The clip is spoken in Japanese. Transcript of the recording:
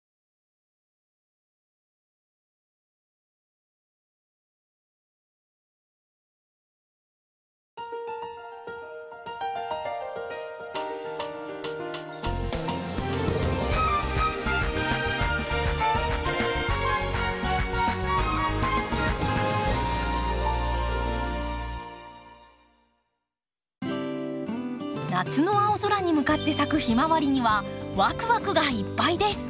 夏の青空に向かって咲くヒマワリにはワクワクがいっぱいです。